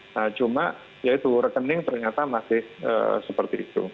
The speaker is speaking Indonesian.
nah cuma ya itu rekening ternyata masih seperti itu